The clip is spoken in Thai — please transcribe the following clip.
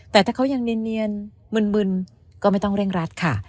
แต่ถ้าเขายังเนียนมึนก็ไม่ต้องเร่งรัดค่ะ